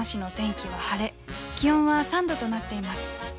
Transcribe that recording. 気温は３度となっています。